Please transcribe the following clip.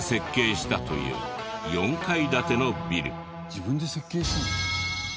自分で設計したの？